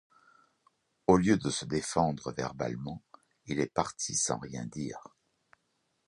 Au lieu de se défendre verbalement, il est parti sans rien dire.